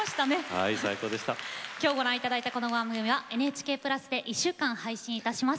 今日ご覧いただいたこの番組は、ＮＨＫプラスで１週間配信いたします。